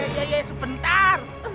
ia ya sebentar